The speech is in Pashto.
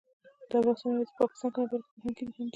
دا بحثونه یوازې په پاکستان کې نه بلکې په هند کې هم دي.